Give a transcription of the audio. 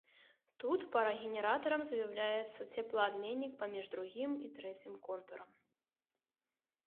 Тут парагенератарам з'яўляецца цеплаабменнік паміж другім і трэцім контурам.